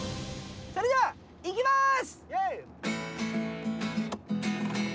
それではいきます！